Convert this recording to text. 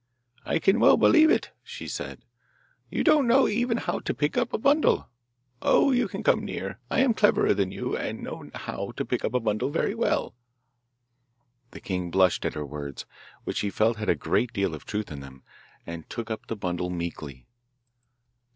'I can well believe it!' she said. 'You don't know even how to pick up a bundle. Oh, you can come near; I am cleverer than you, and know how to pick up a bundle very well.' The king blushed at her words, which he felt had a great deal of truth in them, and took up the bundle meekly.